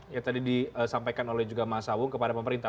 yang tadi disampaikan oleh juga mas sawung kepada pemerintah